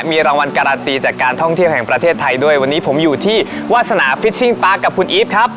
มีรางวัลการันตีจากการท่องเที่ยวแห่งประเทศไทยด้วยวันนี้ผมอยู่ที่วาสนาฟิชชิงปาร์คกับคุณอีฟครับ